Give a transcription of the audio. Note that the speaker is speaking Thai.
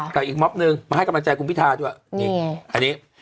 กับอีกม็อบหนึ่งมาให้กำลังใจคุณพิทาด้วยนี่อันนี้